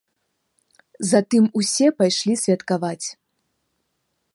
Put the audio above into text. Затым усе пайшлі святкаваць.